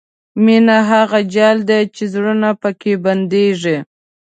مینه هغه جال دی چې زړونه پکې بندېږي.